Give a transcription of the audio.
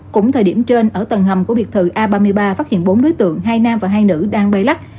cũng thời điểm trên ở tầng hầm của biệt thự a ba mươi ba phát hiện bốn đối tượng hai nam và hai nữ đang bay lắc